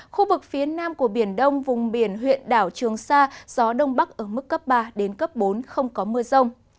khu vực phía nam của biển đông vùng biển huyện đảo trường sa gió đông bắc ở mức cấp ba đến cấp bốn không có mưa rông